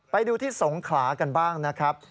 ไปดูที่สงขลากันบ้างนะครับ